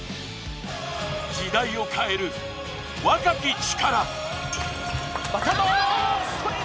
時代を変える若き力。